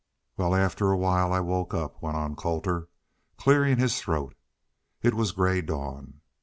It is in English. "Wall, after a while I woke up," went on Colter, clearing his throat. "It was gray dawn.